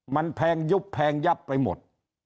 มันแพงยุบแพงยับไปหมด